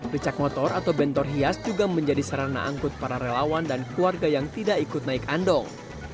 ricak motor atau bentor hias juga menjadi sarana angkut para relawan dan keluarga yang tidak ikut naik andong